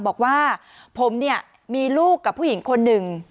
บอกว่าผมเนี่ยมีลูกกับผู้หญิงคนหนึ่ง